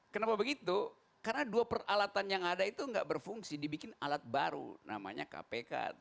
kenapa begitu karena dua peralatan yang ada itu nggak berfungsi dibikin alat baru namanya kpk